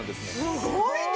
すごいね！